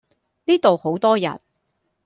呢度好多人